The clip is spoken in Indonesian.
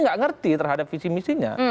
nggak ngerti terhadap visi misinya